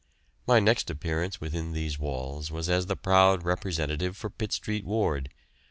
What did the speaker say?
My next appearance within these walls was as the proud representative for Pitt Street Ward.